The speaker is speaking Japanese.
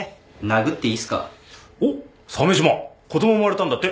子供生まれたんだって？